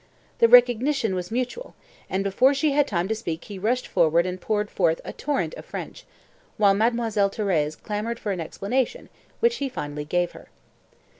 The recognition was mutual, and before she had time to speak he rushed forward and poured forth a torrent of French, while Mademoiselle Thérèse clamoured for an explanation, which he finally gave her.